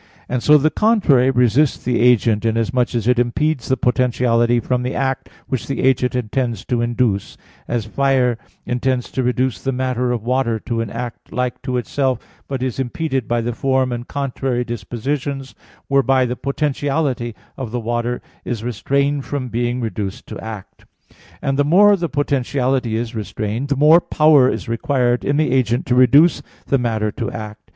And so the contrary resists the agent, inasmuch as it impedes the potentiality from the act which the agent intends to induce, as fire intends to reduce the matter of water to an act like to itself, but is impeded by the form and contrary dispositions, whereby the potentiality (of the water) is restrained from being reduced to act; and the more the potentiality is restrained, the more power is required in the agent to reduce the matter to act.